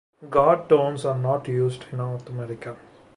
Guard tones are not used in North America.